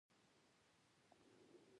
دوی بیرته کابل ته ستانه شول.